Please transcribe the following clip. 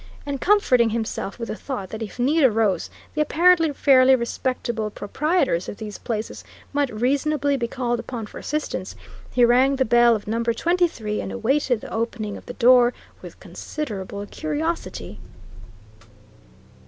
And comforting himself with the thought that if need arose the apparently fairly respectable proprietors of these places might reasonably be called upon for assistance, he rang the bell of Number 23 and awaited the opening of the door with considerable curiosity.